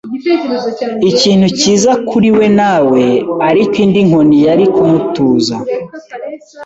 ikintu cyiza kuri we nawe; ariko indi nkoni yari kumutuza. ”